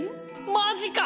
マジか！